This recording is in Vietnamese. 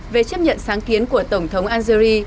về chấp nhận sáng kiến của tổng thống algeria